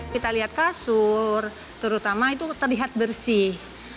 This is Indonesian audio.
kita lihat kasur terutama itu terlihat bersih